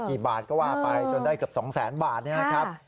กี่บาทก็ว่าไปจนได้เกือบ๒๐๐๐๐๐บาท